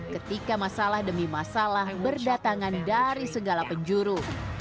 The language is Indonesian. ketika masalah demi masalah berdatangan dari segala penjuru